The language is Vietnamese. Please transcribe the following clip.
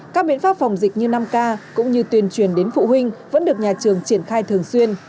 các biện pháp phòng dịch như năm k cũng như tuyên truyền đến phụ huynh vẫn được nhà trường triển khai thường xuyên